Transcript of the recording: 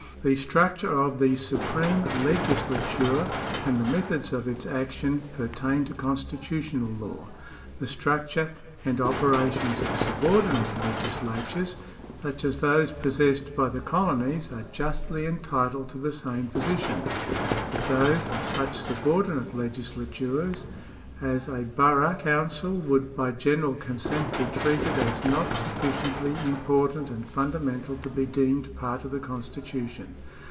The structure of the supreme legislature and the methods of its action pertain to constitutional law ; the structure and operations of subordinate legislatm es, such as those pos § 40] THE STATE 107 sessed by the colonies, are justly entitled to the same position; but those of such subordinate legislatures as a borough council would by general consent be treated as not sufficiently im portant and fundamental to be deemed part of the constitu tion.